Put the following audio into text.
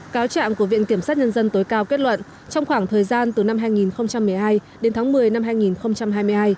cáo trạng của viện kiểm sát nhân dân tối cao kết luận trong khoảng thời gian từ năm hai nghìn một mươi hai đến tháng một mươi năm hai nghìn hai mươi hai